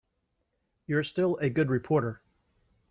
You're still a good reporter.